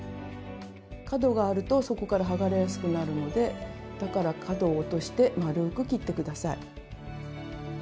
角があるとそこから剥がれやすくなるのでだから角を落としてまるく切って下さい。